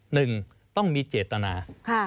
หนึ่งต้องมีเจตนา